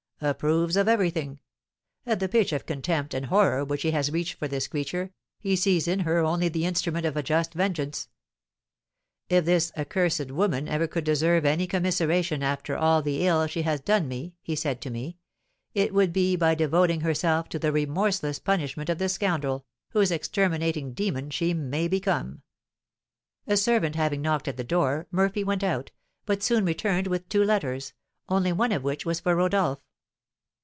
"Approves of everything. At the pitch of contempt and horror which he has reached for this creature, he sees in her only the instrument of a just vengeance. 'If this accursed woman ever could deserve any commiseration after all the ill she has done me,' he said to me, 'it would be by devoting herself to the remorseless punishment of this scoundrel, whose exterminating demon she may become.'" A servant having knocked at the door, Murphy went out, but soon returned with two letters, only one of which was for Rodolph.